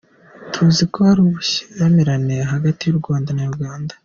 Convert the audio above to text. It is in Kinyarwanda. "Tuzi ko hari ubushyamirane hagati y'u Rwanda na Uganda.